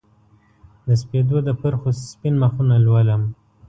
د سپیدو د پرخو سپین مخونه لولم